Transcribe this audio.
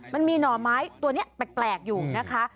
หน่อไม้ตัวนี้แปลกอยู่นะคะ